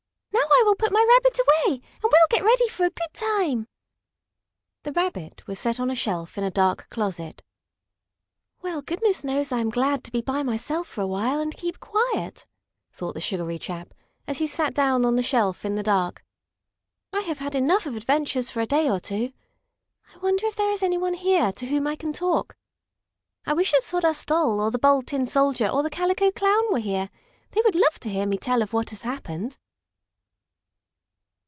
"Now I will put my Rabbit away, and we'll get ready for a good time." The Rabbit was set on a shelf in a dark closet. "Well, goodness knows I am glad to be by myself for a while and keep quiet," thought the sugary chap, as he sat down on the shelf in the dark. "I have had enough of adventures for a day or two. I wonder if there is any one here to whom I can talk. I wish the Sawdust Doll or the Bold Tin Soldier or the Calico Clown were here. They would love to hear me tell of what has happened."